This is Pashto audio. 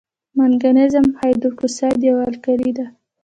مګنیزیم هایدروکساید یوه القلي ده.